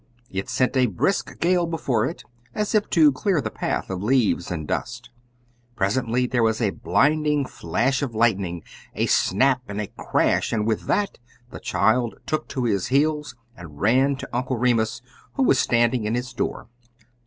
It sent a brisk gale before it, as if to clear the path of leaves and dust. Presently there was a blinding flash of lightning, a snap and a crash, and, with that, the child took to his heels, and ran to Uncle Remus, who was standing in his door.